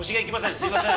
すいません。